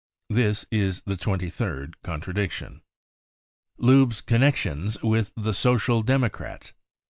This is the twenty third contradiction. Lubbe's M Connections " with the Social Democrats.